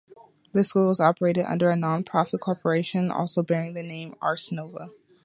The school is operated under a non-profit corporation also bearing the name Ars Nova.